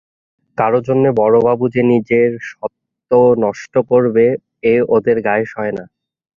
কারো জন্যে বড়োবাবু যে নিজের স্বত্ব নষ্ট করবে, এ ওদের গায়ে সয় না।